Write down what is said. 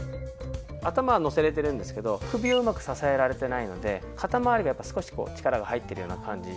頭はのせられているんですけど首をうまく支えられてないので肩まわりが少しこう力が入ってるような感じ。